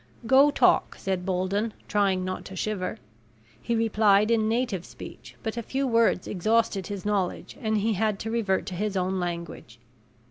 "Go talk," said Bolden, trying not to shiver. He replied in native speech, but a few words exhausted his knowledge and he had to revert to his own language.